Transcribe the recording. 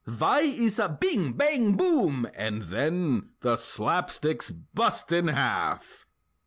Vhy iss a—(Bing! Bang! Boom!)—and then The slapstick's bust in half!